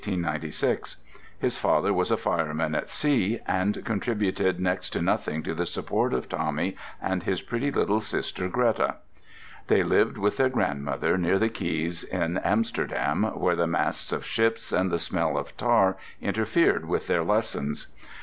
His father was a fireman at sea, and contributed next to nothing to the support of Tommy and his pretty little sister Greta. They lived with their grandmother, near the quays in Amsterdam, where the masts of ships and the smell of tar interfered with their lessons.